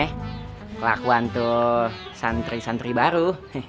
kelakuan tuh santri santri baru